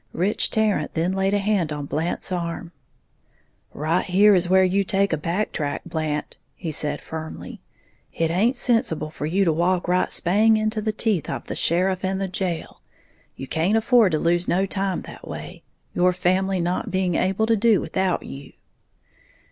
Rich Tarrant then laid a hand on Blant's arm. "Right here is where you take a back track, Blant," he said, firmly; "it haint sensible for you to walk right spang into the teeth of the sheriff and the jail, you can't afford to lose no time that way, your family not being able to do without you."